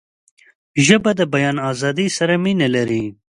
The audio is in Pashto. ژبه د بیان آزادۍ سره مینه لري